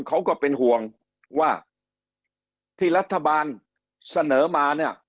เขาก็เป็นห่วงว่าที่รัฐบาลเสนอมาเนี่ย